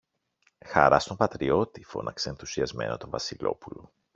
Χαρά στον πατριώτη φώναξε ενθουσιασμένο το Βασιλόπουλο.